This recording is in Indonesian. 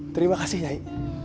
terima kasih kiai